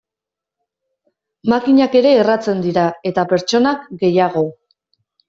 Makinak ere erratzen dira, eta pertsonak gehiago.